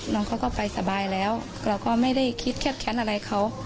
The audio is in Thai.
น้องเขาก็ไปสบายแล้วเราก็ไม่ได้คิดแคบแค้นอะไรเขา